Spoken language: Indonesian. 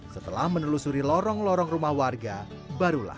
setelah menelusuri lorong lorong rumah warang kita akan menuju ke tempat yang lebih dekat